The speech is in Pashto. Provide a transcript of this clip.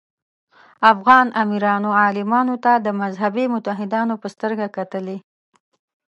افغان امیرانو عالمانو ته د مذهبي متحدانو په سترګه کتلي.